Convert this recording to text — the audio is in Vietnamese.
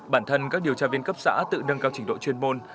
bản thân các điều tra viên cấp xã tự nâng cao trình độ chuyên môn